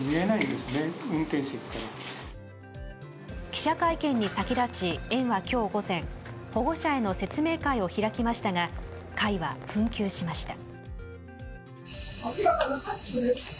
記者会見に先立ち園は今日午前保護者への説明会を開きましたが、会は紛糾しました。